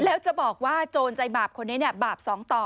แล้วจะบอกว่าโจรใจบาปคนนี้บาป๒ต่อ